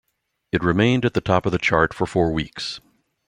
It remained at the top of the chart for four weeks.